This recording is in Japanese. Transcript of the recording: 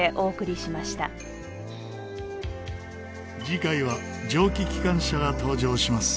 次回は蒸気機関車が登場します。